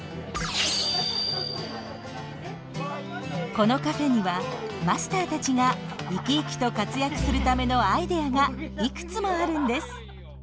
このカフェにはマスターたちが生き生きと活躍するためのアイデアがいくつもあるんです！